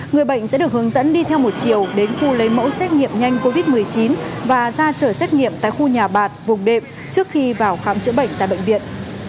người bệnh sẽ được hướng dẫn đi theo một chiều đến khu lấy mẫu xét nghiệm nhanh covid một mươi chín và ra trở xét nghiệm tại khu nhà bạc vùng đệm trước khi vào khám chữa bệnh tại bệnh viện